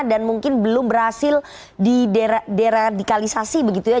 dan mungkin belum berhasil dideradikalisasi begitu ya